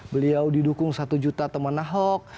beliau didukung satu juta teman ahok